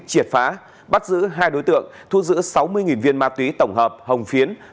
triệt phá bắt giữ hai đối tượng thu giữ sáu mươi viên ma túy tổng hợp hồng phiến